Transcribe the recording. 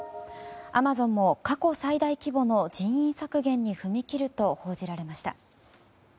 アマゾンも過去最大規模の人員削減に踏み切ると報じられました。